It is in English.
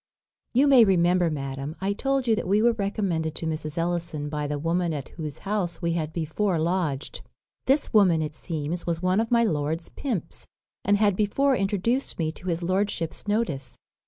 "You may remember, madam, I told you that we were recommended to Mrs. Ellison by the woman at whose house we had before lodged. This woman, it seems, was one of my lord's pimps, and had before introduced me to his lordship's notice.